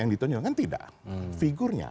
yang ditunjukkan tidak figurnya